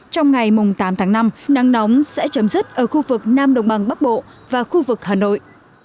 trong ngày tám tháng năm nắng nóng sẽ chấm dứt ở khu vực nam đồng bằng bắc bộ và khu vực hà nội